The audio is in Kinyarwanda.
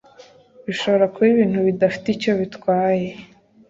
bishobora kuba ibintu bidafite icyo bitwaye